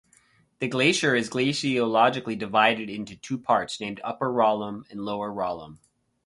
The glacier is glaciologically divided into two parts named Upper Ralam and Lower Ralam.